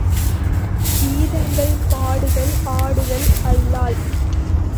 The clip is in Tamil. கீதங்கள் பாடுதல் ஆடுதல் அல்லால்